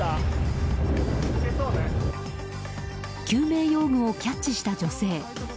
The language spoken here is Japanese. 救命用具をキャッチした女性。